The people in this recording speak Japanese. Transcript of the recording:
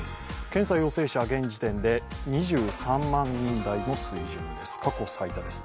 検査陽性者は現時点で２３万人台の水準です。